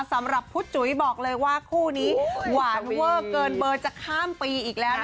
สำหรับพุทธจุ๋ยบอกเลยว่าคู่นี้หวานเวอร์เกินเบอร์จะข้ามปีอีกแล้ว